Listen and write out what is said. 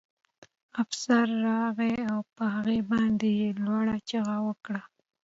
افسر راغی او په هغه باندې یې لوړه چیغه وکړه